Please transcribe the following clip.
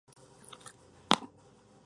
La fama era mensajera de Júpiter.